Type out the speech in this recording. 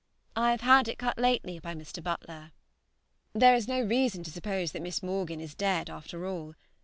I have had it cut lately by Mr. Butler. There is no reason to suppose that Miss Morgan is dead after all.